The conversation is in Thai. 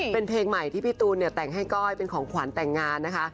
เป็นเพลงใหม่ที่พี่ตูนเนี่ยแต่งให้ก้อยเป็นของขวัญแต่งงานนะคะ